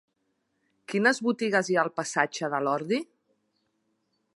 Quines botigues hi ha al passatge de l'Ordi?